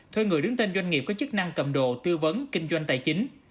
thuê người đứng tên doanh nghiệp có chức năng cầm đồ tư vấn kinh doanh tài chính